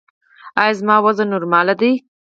ایا زما وزن نورمال دی؟